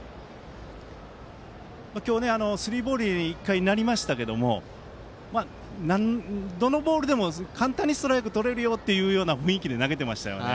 今日、スリーボールに１回なりましたがどのボールでも簡単にストライクとれるよという雰囲気で投げていましたね。